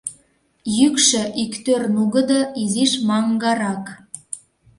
Йӱкшӧ иктӧр нугыдо, изиш маҥгарак.